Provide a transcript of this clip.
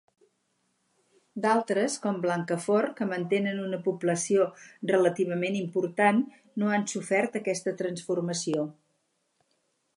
D'altres, com Blancafort, que mantenen una població relativament important, no han sofert aquesta transformació.